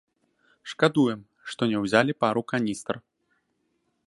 Шкадуем, што не ўзялі пару каністр.